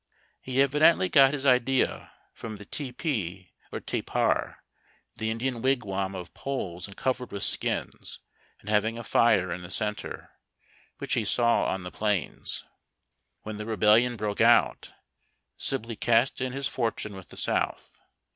He evidently got his idea from the Tepee or Tepar., — the Indian wigwam, of poles covered with skins, and having a fire in the centre, — which he saw on the plains. When the Rebellion broke out, Sibley cast in his fortune with the South.